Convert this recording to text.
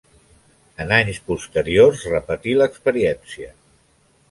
En anys posteriors repetí l'experiència.